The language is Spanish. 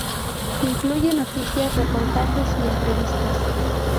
Incluye noticias, reportajes y entrevistas.